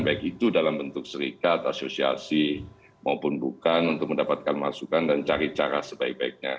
baik itu dalam bentuk serikat asosiasi maupun bukan untuk mendapatkan masukan dan cari cara sebaik baiknya